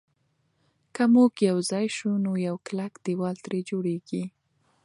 که موږ یو ځای شو نو یو کلک دېوال ترې جوړېږي.